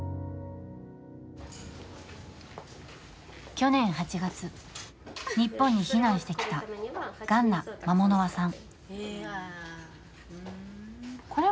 去年８月、日本に避難してきたガンナ・マモノワさん。